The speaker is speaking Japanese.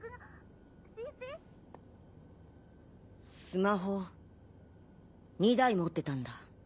スマホ２台持ってたんだ。